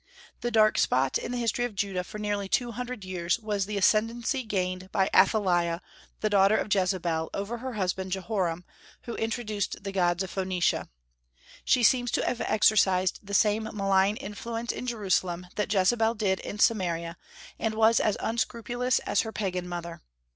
The dark spot in the history of Judah for nearly two hundred years was the ascendency gained by Athaliah, the daughter of Jezebel, over her husband Jehoram, who introduced the gods of Phoenicia. She seems to have exercised the same malign influence in Jerusalem that Jezebel did in Samaria, and was as unscrupulous as her pagan mother.